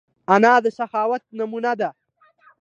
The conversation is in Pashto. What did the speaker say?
انا د سخاوت نمونه ده